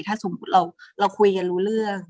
ถ้าสมมุติเราคุยกันรู้เรื่อง